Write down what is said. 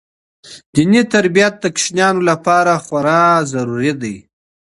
دیني تربیت د ماشومانو لپاره خورا اړین دی.